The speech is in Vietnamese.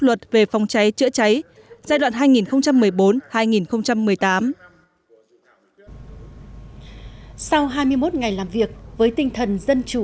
luật về phòng cháy chữa cháy giai đoạn hai nghìn một mươi bốn hai nghìn một mươi tám sau hai mươi một ngày làm việc với tinh thần dân chủ